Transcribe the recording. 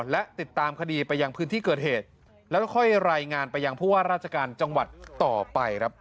และติดตามคดีไปยังพื้นที่เกิดเหตุแล้วค่อยรายงานไปยังผู้ว่าราชการจังหวัดต่อไปครับ